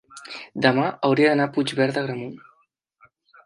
demà hauria d'anar a Puigverd d'Agramunt.